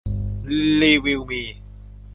รีวิวมี